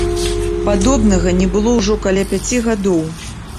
Падобнага не было ўжо каля пяці гадоў.